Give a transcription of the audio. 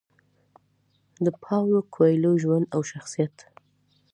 د پاولو کویلیو ژوند او شخصیت: